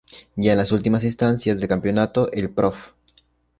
Ya en las últimas instancias del campeonato el Prof.